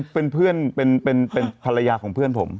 เป็นเพื่อนเป็นภาพิวป้องของเพื่อนผม